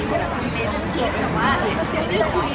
อยากเรียกเขาว่าเมียเผิน